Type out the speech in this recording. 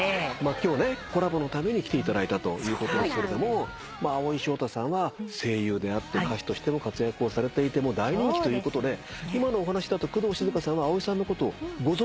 今日コラボのために来ていただいたということで蒼井翔太さんは声優であって歌手としても活躍をされていて大人気ということで今のお話だと工藤静香さんは蒼井さんのことをご存じなんですね？